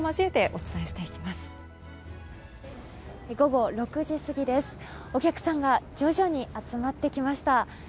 お客さんが徐々に集まってきました。